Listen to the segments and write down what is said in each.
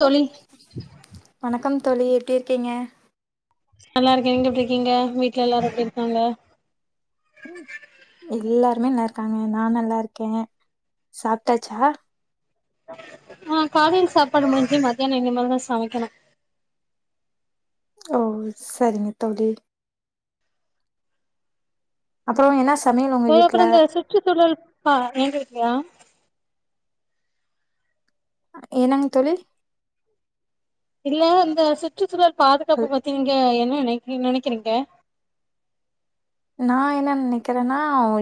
தொழி வணக்கம் தோழி எப்டிருக்கீங்க நல்லாருக்கே நீங்க எப்டி இருக்கீங்க வீட்ல எல்லாரு எப்டி இருக்காங்க எல்லாருமே நல்லாருக்காங்க நா நல்லாருக்கே சாப்டாச்சா ஆ காலைல் சாப்பாடு முடிஞ்சி மத்யானோ இனிமேல்தா சமைக்கணு ஓ சரிங்க தோழி அப்றோ என்னச் [unintelligible] இந்த சுற்றுசூழல் பா எங்க இருக்கயா என்னங் தோழி இல்ல இந்த சுற்றுச்சூழல் பாதுகாப்பு பத்தி நீங்க என்ன நெனைக் நெனைக்கிறீங்க நா என்ன நெனைக்கிறேன்னா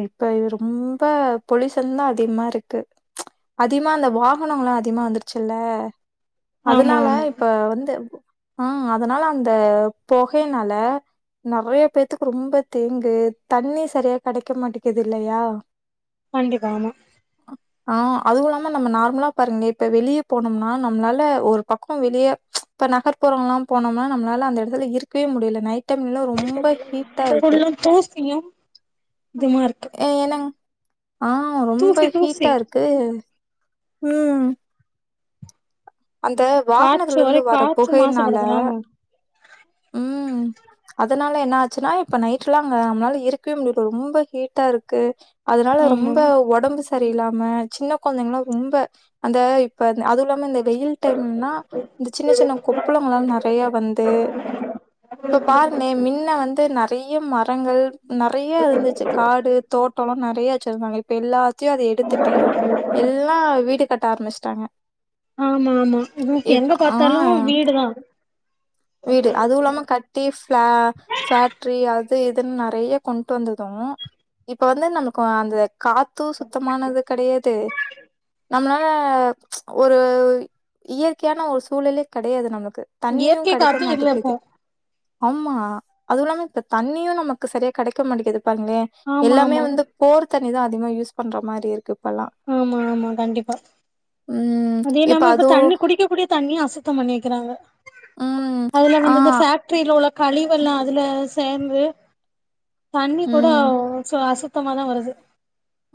இப்ப ரொம்ப பொலிசன்தா அதிகமா இருக்கு அதிமா அந்த வாகனங்களு அதிகமா வந்துருச்சுல்ல ஆமா அதனால ஆமா இப் ப்ப வந்து ஆ அதனால அந்த பொகையனால நெறையப் பேத்துக்கு ரொம்பத் தேங்கு தண்ணி செரியாக் கெடைக்க மாட்டேக்குது இல்லையா கண்டிப்பா ஆமா ஆ அதுவு இல்லாம நம்ம நார்மலாப் பாருங்க இப்ப வெளியப் போனம்னா நம்ளால ஒரு பக்கோ வெளியே இப்ப நகர்ப்புறம்லாம் போனம்னா நம்ளால அந்த எடதுல இருக்கவே முடியல நைட் டைம்ல ரொம்ப ஹீட்டா இருக்கு தூசியும் இதுமாருக்கு எ என்னங ஆ ரொம்ப தூசி ஹீட்டா இருக்கு ம் அந்த காற்று வாகனத்துலருந்து ஒரேக் வர காற்று புகையினால மாசுபடுதலாமா ம். அதனால என்ன ஆச்சுனா இப்ப நைட்டுலா அங்க நம்ளால இருக்வே முடில ரொம்ப ஹீட்டா இருக்கு அதனால ஆமா ரொம்ப ஒடம்புச் சரியில்லாம சின்னக் கொழந்தைங்களா ரொம்ப அந்த இப்ப ந் அதுவு இல்லாம இந்த இப் வெயில் டைம்மில்னா இந்த சின்ன சின்னக் கொப்பளங்கள்லா நெறைய வந்து இப்பப் பாருங்னே மின்ன வந்து நர் றைய்ய மரங்கள் நெறைய இருந்துச்சு காடு தோட்டலா நெறைய வெச்சிருந்தாங்க இப்ப எல்லாத் டியோ அத எடுத்துட்டு எல்லா வீடு கட்ட ஆரம்பிச்ட்டாங்க ஆமா ஆமா உகு எங்கப் ஆ பாத்தாலு வீடுதா வீடு அதுவு [unintelligible] அது இதுன் நெறையக் கொண்டு வந்தது இப்ப வந்து நமக்கு அந்தக் காத்து சுத்தமானது கெடையாது நம்னால ஒரு அவு இயற்கையான ஒரு சூழலேக் கெடையாது நமக்கு தண்ணியுங் இயற்கை கெடைக்க காத்தே இல்ல இப்போ மாட்டேக்கிது அம்மா அதுவு இல்லாம இப்பத் தண்ணியு நமக்கு செரியா கெடைக்க மாட்டிகிது பாருங்ளே ஆமா எல்லாமே ஆமா வந்துப் போர் தண்ணிதா அதிகமா யூஸ் பண்ற மாரி இருக்கு இப்பெல்லா ஆமா ஆமா கண்டிப்பா ம் அது இப்ப இல்லாம இப்பத் அதுவும் தண்ணி குடிக்கக்கூடியத் தண்ணிய அசுத்தம் பண்ணி வெக்கிறாங்க ம். அதுல ஆ. வந்து இந்த ஃபேக் ட்ரில உள்ளக் கழிவெல்லா அதுலச் சேர்ந்து தண்ணி ம். கூடோவ் சு அசுத்தமாதா வருது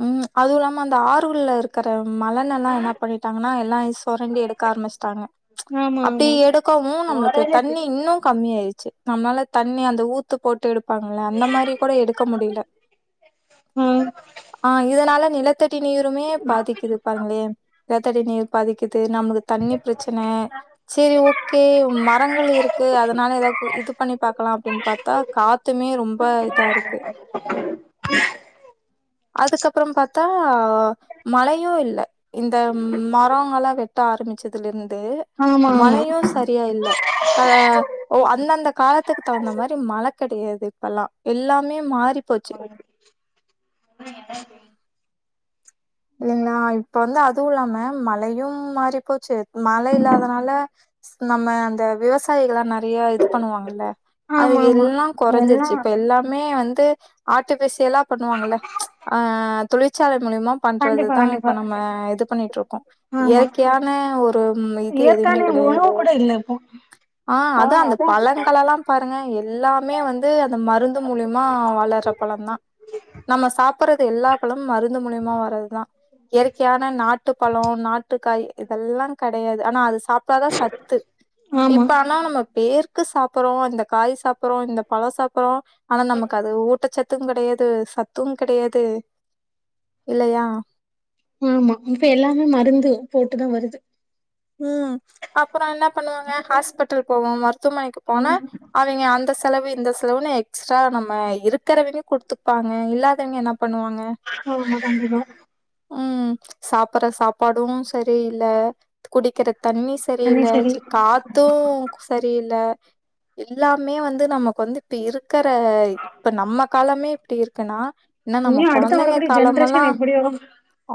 ம் அதுவு இல்லாம அந்த ஆறுள்ல இருக்கற மலன் எல்லா என்னாப் பண்ணிட்டாங்கனா எல்லாயிச் சொரண்டி எடுக்க ஆரமிச்ட்டாங்க ஆமா அப்டி ஆமா எடுக்கவு நம்ளுக்கு தண்ணி இன்னுங் கம்மியாயிர்ச்சு நம்ளால தண்ணி அந்த ஊத்துப் போட்டு எடுப்பாங்கள அந்த மாரி கூட எடுக்க முடில உம் ஆ இத்‌னால நிலத்தடி நீருமே பாதிக்குது பாருங்களே நில‌த்தடி நீர் பாதிக்குது நம்மளுக்கு தண்ணி‌ ப்ரச்சன சேரி ஓகே மரங்கள் இருக்கு அத்னால ஏதாவ்து இது பண்ணி பாக்கலா அப்டின்னு பாத் த்தா காத்துமே ரொம்ப இதா இருக்கு அதுக்கப்பறம் பாத்தா மழையும் இல்ல இந்த மரங்களாம் வெட்ட ஆரம்பிச்சதுல இருந்து ஆமா ஆமா மழையும் சரியா இல்ல அ ஓ அந்தந்த காலத்துக்கு தகுந்த மாத்ரி மழ கடையாது இப்பெல்லா எல்லாமே மாறி போச்சு இல்லைங்களா இப்ப வந்து அதுவு இல்லாம மழையு மாறி போச்சு மழ இல்லாதனால நம்ம அந்த விவசாயிகல்லா நெறைய இது பண்ணுவாங்கல்ல அது ஆமா ஆமா எல்லா எல்லா கொறஞ்சிருச்சு இப்ப எல்லாமே வந்து ஆர்ட்டிஃபிஷியலா பண்ணுவாங்கள்ல அ தொழிற்சால மூலியமா கண்டிப்பா பண்றதுதா இப்ப கண்டிப்பா நம்ம இது பண்ணிட்டு இருக்கோ இயற்கையான ஒரு இது எதுவுமே ஏற்கானவே கெடையாது. உணவு கூட இல்ல இப்போ ஆ அதன் அந்த பழங்களெல்லாம் பாருங்க எல்லாமே வந்து அந்த மருந்து மூலியமா வளர பழம் தா நம்ம சாப்ட்றது எல்லா பழமு மருந்து மூலியமா வா ஏற்கையான நாட்டுப்பழோ நாட்டுக்காய் இதெல்லா கடையாது ஆனா அது சாப் இப்பாதா சத்து ஆமா இப்ப ஆனா நம்ம பேர் ருக்கு சாப்ட்றோ இந்த காய் சாப்ர்றோ இந்த பழோ சாப்பர்றோ ஆனா நமக்கு அது ஊட்டச்சத் த்தும் கெடையாது சத்தும் கெடையாது இல்லையா ஆமா இப்ப எல்லாமே மருந்து போட்டுதா வருது ம் அப்றோ என்ன பண்ணுவாங்க ஹாஸ்பிட்டல் போவோ மருத்துவமனைக்கு போனா அவங்கே அந்த செலவு இந்த செலவுன்னு எக்ஸ்ட்ரா நம்ம இருக்கிறவங்கே குடுத்துப்பாங்க இல்லாதவங்கே என்ன பண்ணுவாங்க உ முடுஞ்சுரு உம் சாப்பட்ற சாப்பாடும் சரியில்ல குடிக்கிற தண்ணி தண்ணி சரியில்ல சரி சேர் காத்தும் சரியில்ல எல்லாமே வந்து நமக்கு வந்து இப்ப இருக்குற இப்ப நம்ம காலமே இப்டி இருக்குன்னா என்ன நம்ம இனி அடுத்த கொழந்தைங்க வரக்கூடிய காலமெல்லா ஜென்ரேஷன் எப்டியோ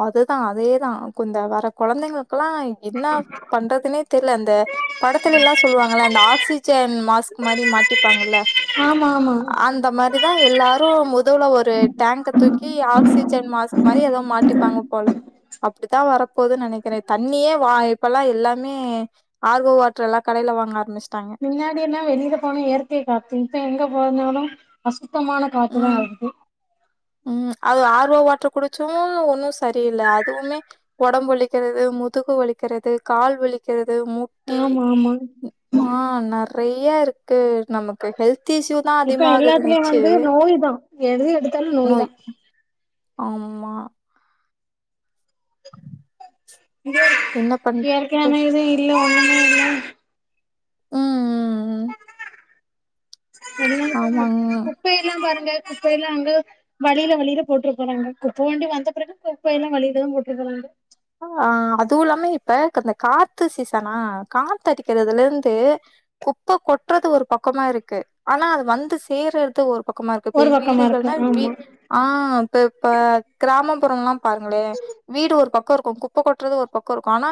அதுதா அதேதான குந்த வர்ற கொழந்தைங்களுக்கெல்லா என்ன பண்றதுனே தெரில அந்த படத்துல எல்லா சொல்லுவாங்கள இந்த ஆக்சிஜன் மாஸ்க் மாதிரி மாட்டிப்பாங்கல்ல ஆமா ஆமா இந்த மாதிரிதான் எல்லாரு முதுல ஒரு டேங்க தூக்கி ஆக்சிஜன் மாஸ்க் மாதிரி ஏதோ மாட்டிப்பாங்க போல அப்டித்தான் வரப்போதுன்னு நெனக்கிறே தண்ணியே இப்பல்லா எல்லாமே ஆர் ‌ஓ வாட்டர் எல்லா கடையில வாங்க ஆரம்பிச்சிட்டாங்க முன்னாடி எல்லா வெளியில போனா இயற்கை காத்து இப்ப எங்க போனாலு அசுத்தமான காத்துதான் இருக்கு உம் அது ஆர் ஓ வாட்டர் குடிச்சு ஒன்னும் சரியில்ல அதுவுமே ஒடம்பு வலிக்கிறது முதுகு வலிக்கிறது கால் வலிக்கிறது மூ ஆமா ஆமா ஆ நெறையா இருக்கு நமக்கு ஹெல்த் இஸ்யூ இப்ப எல்லாத்துலயு வந்து நோய் தான் எது எடுத்தாலு நோய் தா ஆம்மா என்ன யாக்கு [unintelligible] பண்றது நான இது இல்லை ஒன்ன இல்லை ஆஆஆ [unintelligible] ஆமாங்க குப்பைல்லாம் பாருங்க குப்பை எல்லாம் அங்க வழியில வழியில போட்டுரு போறாங்க குப்பை வண்டி வந்த பிறகு குப்பை எல்லாம் வழியிலதான் போட்டுரு போறாங்க ஆ அதும் இல்லாம இப்ப இந்த காத்து சீசனா காத்து அடிக்கிறதுல இருந்து குப்பை கொட்றது ஒரு பக்கமா இருக்கு ஆனா அது வந்து சேர்றது ஒரு பக்கமா இருக்கு இப்ப ஒரு பக்கமா இருக்கு வீடுகள்னா வ ஆமா ஆ இப்ப இப்ப கிராமப்புறமெல்லாம் பாருங்களே வீடு ஒரு பக்கம் குப்பை கொட்டுறது ஒரு பக்கம் இருக்கும் ஆனா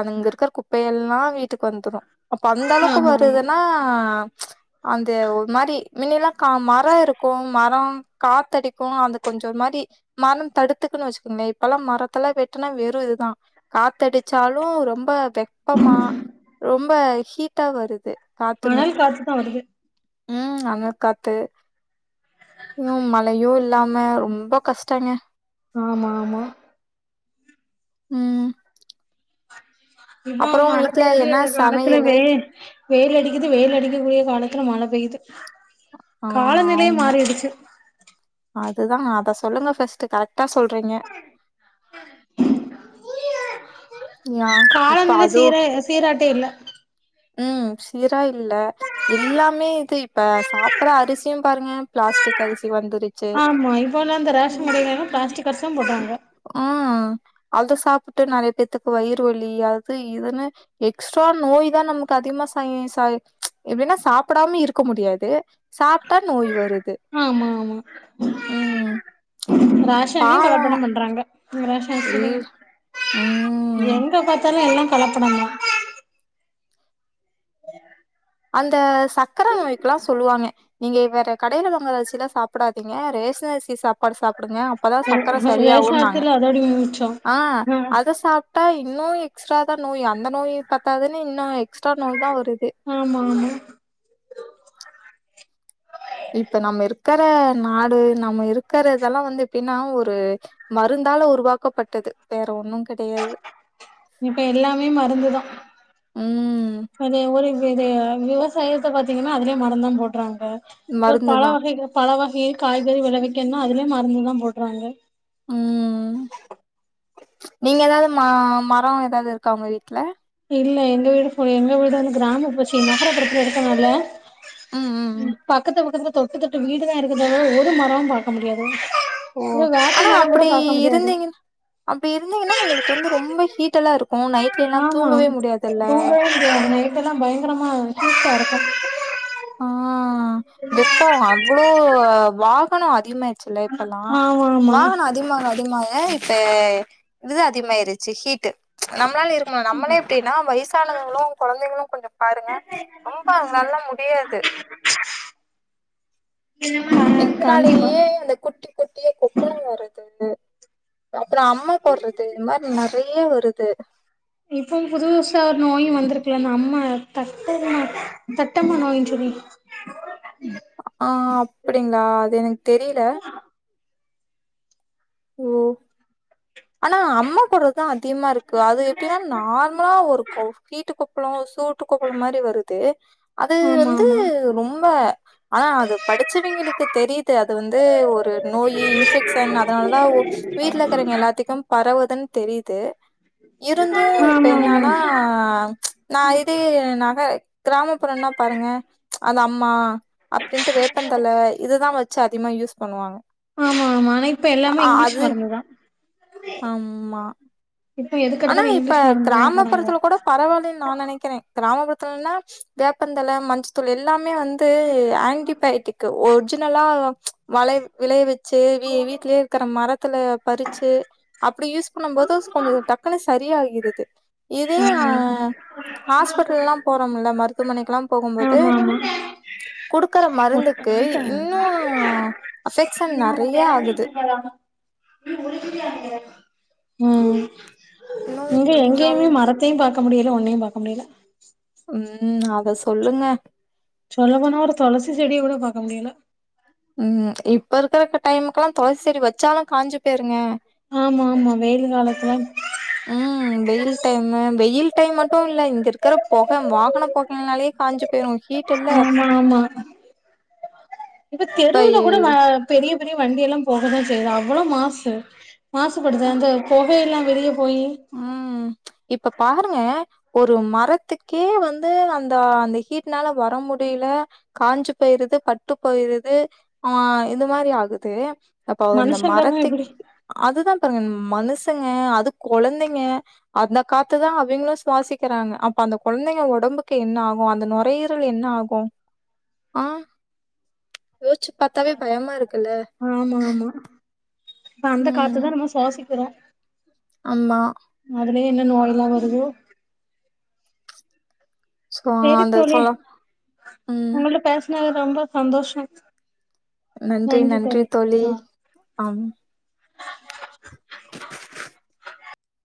அங்க இருக்கிற குப்பையெல்லாம் வீட்டுக்கு வந்துடும் அப்ப அந்த அளவுக்கு ஆமா ஆமா வருதுன்னா அந்த ஒரு மாதிரி முன்னல்லாம் மர இருக்கும் மரம் காத்தடிக்கும் அது கொஞ்சம் ஒரு மாதிரி மரம் தடுத்துக்குன்னு வச்சுக்கங்களேன் இப்பெல்லாம் மரத்துல வெட்டு வெறும் இதுதான் காத்தடிச்சாலும் ரொம்ப வெப்பமா ரொம்ப ஹீட்டா வருது காத்துமே அனல் காத்துதா வருது ம் அனல் காத்து யும் மழையும் இல்லாம ரொம்ப கஷ்டங்க ஆமாமாமா ம் இப்ப அப்புறோ மழை வீட்ல என்ன பெய்ற சமையலு காலத்துலவே வெயில் அடிக்குது வெயில் அடிக்கக்கூடிய காலத்துல மழை பெயுது ஆ காலநிலைய மாறிடுச்சு அதுதான் அதை சொல்லுங்க ஃபர்ஸ்ட் கரெக்ட்டா சொல்றீங்க யா இப்ப காலநிலை அது சீர சீராட்ட இல்ல ம் சீரா இல்ல எல்லாமே இது இப்ப சாப்பற அரிசியும் பாருங்க பிளாஸ்டிக் அரிசி வந்துருக்கு ஆமா இப்பல்லாம் அந்த ரேஷன் கடையில பிளாஸ்டிக் அரிசி தான் போட்றாங்க ஆஹ் அத சாப்பிட்டு நிறைய பேத்துக்கு வயிறு வலி அது இதுன்னு எக்ஸ்ட்ரா நோய் தான் நம்ம அதிகமா ச சை சை எப்படின்னா சாப்பிடாம இருக்க முடியாது சாப்பிட்டா நோய் வருது ஆ ஆமா ஆமா ம் ரேஷன்லயும் பாவோ கலப்படம் பண்றாங்க ரேஷன் அரிசியிலும் இல் ம் எங்க பாத்தாலும் எல்லாம் கலப்படந்தா அந்த சக்கர அ வக்கல்லாம் சொல்லுவாங்க நீங்க வேற கடையில வாங்கற அரிசியெல்லாம் சாப்பிடாதீங்க ரேஷன் அரிசி சா ப்பாடு சாப்பிடுங்க அப்பதான் சக்கரை ரேஷன் சரியாகும்ன்னாங்க அரிசில அதோட மிச்சோ ஆ அத சா பா இன்னும் எக்ஸ்ட்ரா தான் நோய் அந்த நோய் பத்தாதுன்னு இன்னும் எக்ஸ்ட்ரா நோய் தான் வருது ஆமாமாமா இப்ப நம்ம இருக்கிற நாடு நம்ம இருக்கிறதெல்லாம் வந்து எப்படின்னா ஒரு மருந்தால உருவாக்கப்பட்டது வேற ஒன்னும் கிடையாது இப்ப எல்லாமே மருந்துதான் ம் அது ஒரு விவசாயத்தை பாத்தீங்கன்னா அதுலயே உரந்தான் போடடறாங்க ஒரு பழ மருந்துதா வகைகள் பழவகை காய்கறி விளைவிக்கணுனா அதுலயே மருந்து தான் போட்றாங்க உம் நீங்க ஏதாவது ம மரம் எதாவது இருக்கா உங்க வீட்டுல இல்ல எங்க வீடு போ எங்க வீடு வந்து கிராம போச்சு நகரத்து புரத்தல இருக்கறதுனால ம் ம் ம் பக்கத்து பக்கத்துல தொட்டு தொட்டு வீடுதான் இருக்குதா தவிர ஒரு மரமும் பாக்க முடியாது ஓ இ வேப்ப மரம் கூட பாக்க முடியாது அப்படி இருந்தீங்கன்னா உங்களுக்கு வந்து ரொம்ப ஹீட் எல்லாம் இருக்கும் நைட்ல எல்லாம் தூங்கவே முடியாதுல்ல நேத்தெல்லா பயங்கரமா [inaudible] ஆ வெப்போ அவ்ளோ வாகனோ அதிகமாயிடுச்சுல்ல இப்பல்லா ஆமா ஆமா வாகனோ அதிகமாக அதிகமாக இப்ப இதுதா அதிகமாயிருச்சு ஹீட்டு நம்மளால இருக் கமா நம்மளே இப்டின்னா வயசானவங்களு கொழந்தைகளு கொஞ்ச பாருங்க ரொம்ப அவங்கனால்லா முடியா ஆ கண்டிப்பா இதனாலயே அந்த குட்டி துது அப்றோ அம்ம போட்றது இது மாரி நெறையா வருது இப்பவு புதுசா ஒரு நோயு வந்துருக்கல அம்ம தட்டம்ம தட்டம்ம நோயின் சொல்லி ஆ அப்டிங்ளா அது எனக்கு தெரில ஓ ஆனா அம்மா போட்ற தா அதிகமா இருக்கு அது எப்டின்னா நார்மலா ஒரு [unintelligible] ஹீட்டு கொப்ளோ சூட்டு கொப்ளோம் மாரி வருது அது ஆமா வந்து ஆமா ரொம்ப ஆனா அது படிச்சவைங்களுக்கு தெரியிது அது வந்து ஒரு நோயி இன்பெக்ஷன் அதனாலதா வீட்ல இருக்கறவங்க எல்லாத்துக்கு பரவுதுன் தெரிய்து இருந்து இப்ப ஆமா ஆமா என்னான்னா நா இது நக கிராமப்புறன்னா பாருங்க அது அம்மா அப்டின்ட்டு வேப்பந்தழ இதுதா வச்சு அதிகமா யூஸ் பண்ணுவாங்க ஆமா ஆமா ஆனா இப்ப எல்லாமே இங்கிலீஷ் மருந்துதா ஆம்மா இப்ப ஆனா எதுக்கெடுத்தாலு இப்ப இங்கிலீஷ் மருந்துல போறாங்க கிராமப்புறத்துல கூட பரவால்லன் நா நெனைக்கிறே கிராமப்புறத்திலன்னா வேப்பந்தழ மஞ்ச தூள் எல்லாமே வந்து ஆன்டிபயட்டிக் ஒரிஜினலா வளை விளைவி சேரி வீட்லயே இருக்கிற மரத்துல பறிச்சு அப்டி யூஸ் பண்ணும் போது கொஞ்சோ டக் குனு சரியாகிருது இதே ஆ ஹாஸ்பிட்டல்லா போறோம்ல மருத் துவமனைக்குலா போகும்போது ஆமா ஆமா குடுக்குற ஒரு மருந்துக்கு இன்னு அஃபெக்ஷன் நெறையா ஆகுது ம் இன்னு இங்க கொஞ்சோ எங்கய்மே மர த்தையு பாக்க முடிய்ல ஒன்னையு பாக்க முடிய்ல ம் அத சொல்லுங்க சொல்ல போனா ஒரு தொளசி செடிய கூட பாக்க முடியில ம் இப்ப இருக்கற டைம்குல்லா தொளசி செடி வச்சாலு காஞ்சு போயிருங்க ஆமா ஆமா வெயிலு காலத்துல ம் [inaudible] வெயில் டைமு வெயில் டைம் மட்டு இல்ல இங்க இருக்கிற பொக வாகன பொகைனாலே காஞ்சு போயிடு ஹீ ஆமா ஆமா இப்ப தெருல கூட ம பெரிய பெரிய வண்டி எல்லா போகதா செய்யிது அவ்ளோ மாசு மாசுபடுது அந்த பொகையெல்லா வெளில போயி ம். இப்ப பாருங்க ஒரு மரத்துக்கே வந்து அந்த அந்த ஹீட்னால வர முடியில காஞ்சு போயிருது பட்டு போயிருது ஆ இந்த மாரி ஆகுது அப்ப இந்த மனுஷங்கல்லா மரத்துக் எப்டி அதுதா பாருங்க மனுசங்க அது கொழந்தைங்க அந்த காத்துதா அவுங்களு சுவாசிக்கிறாங்க அப்ப அந்த கொழந்தைங்க ஒடம்புக்கு என்ன ஆகு அந்த நொரையீரல் என்ன ஆ கு ஆ யோஸ்ச்சி பாத்தாலே பயமா இருக்குல்ல ஆமா ஆமா இப்ப அந்த ம். காத்துதா நம்ம சுவாசிக்கிறோ ஆமா அதுலே என்ன நோய்லா வருதோ சோ செரி அந்த தோழி சொல்ல ம். உங்கள்ட்ட பேசுனது ரொம்ப சந்தோஷோ நன்றி நன்றி தோழி ஆம்